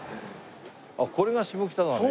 あっこれが下北沢の駅？